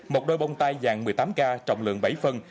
một đôi bông tai dài một mươi tám k trọng lượng bảy phân